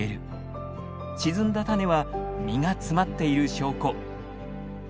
沈んだ種は実が詰まっている証拠。